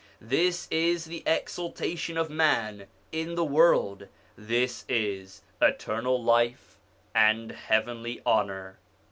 This is the exaltation of man in the world ! This is eternal life and heavenly honour